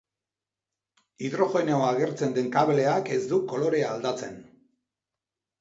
Hidrogenoa agertzen den kableak ez du kolorea aldatzen.